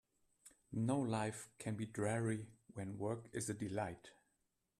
No life can be dreary when work is a delight.